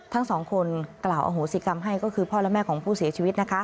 ทั้งสองคนกล่าวอโหสิกรรมให้ก็คือพ่อและแม่ของผู้เสียชีวิต